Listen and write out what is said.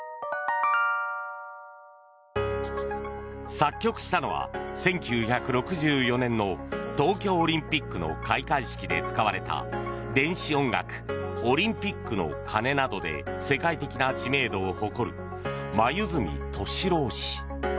作曲したのは１９６４年の東京オリンピックの開会式で使われた電子音楽「オリンピックの鐘」などで世界的な知名度を誇る黛敏郎氏。